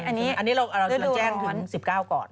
อันนี้เราจะมาแจ้งถึง๑๙ก่อน